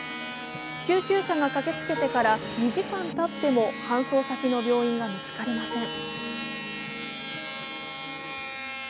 救急車が駆けつけてから２時間たっても搬送先の病院が見つかりません。